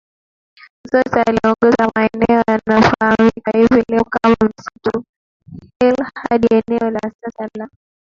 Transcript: Nzota aliyeongoza Maeneo yanayofahamika hivi leo kama msitu Hill hadi eneo la sasa la